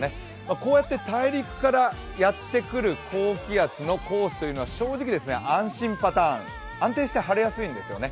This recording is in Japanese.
こうやって大陸からやってくる高気圧のコースというのは正直、安心パターン、安定して晴れやすいんですよね。